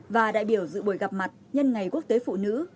và đại biểu dự buổi gặp mặt nhân ngày quốc tế phụ nữ